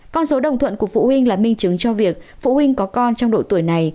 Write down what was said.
con số đồng thuận của phụ huynh là minh chứng cho việc phụ huynh có con trong độ tuổi này